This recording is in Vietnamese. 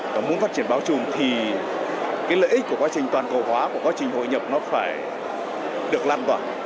và muốn phát triển bao trùm thì cái lợi ích của quá trình toàn cầu hóa của quá trình hội nhập nó phải được lan tỏa